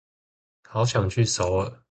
好想去首爾